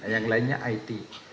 yang lainnya it